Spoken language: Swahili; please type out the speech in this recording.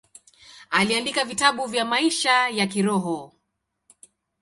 Aliandika vitabu vya maisha ya kiroho.